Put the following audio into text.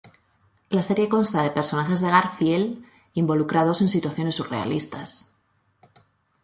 La serie consta de personajes de "Garfield" involucrados en situaciones surrealistas.